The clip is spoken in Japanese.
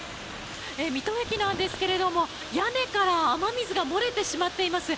水戸駅なんですが屋根から雨水が漏れてしまっています。